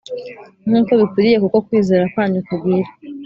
Nk uko bikwiriye kuko kwizera kwanyu kugwira